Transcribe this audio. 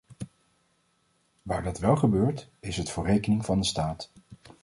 Waar dat wel gebeurt, is het voor rekening van de staat.